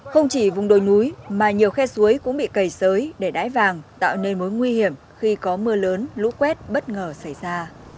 không chỉ vùng đồi núi mà nhiều khe suối cũng bị cầy sới để đái vàng tạo nên mối nguy hiểm khi có mưa lớn lũ quét bất ngờ xảy ra